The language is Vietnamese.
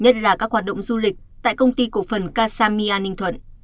nhất là các hoạt động du lịch tại công ty cổ phần kasamia ninh thuận